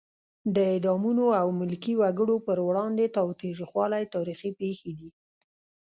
د اعدامونو او ملکي وګړو پر وړاندې تاوتریخوالی تاریخي پېښې دي.